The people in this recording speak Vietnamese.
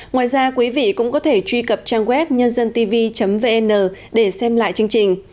ngoài ra quý vị cũng có thể truy cập trang web nhândântv vn để xem lại chương trình